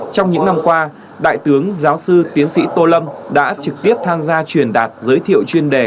trong những năm qua đại tướng giáo sư tiến sĩ tô lâm đã trực tiếp tham gia truyền đạt giới thiệu chuyên đề